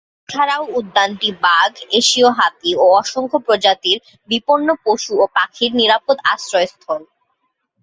এছাড়াও উদ্যানটি বাঘ, এশীয় হাতি ও অসংখ্য প্রজাতির বিপন্ন পশু ও পাখির নিরাপদ আশ্রয়স্থল।